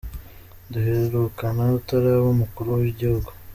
Duherukana utaraba umukuru wigihugu.